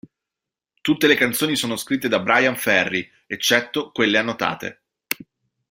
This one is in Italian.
Tutte le canzoni sono scritte da Bryan Ferry, eccetto quelle annotate.